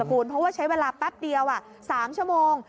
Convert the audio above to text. เพราะว่าใช้เวลาแป๊บเดียว๓ชั่วโมง